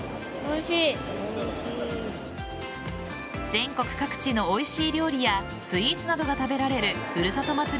全国各地のおいしい料理やスイーツなどが食べられるふるさと祭り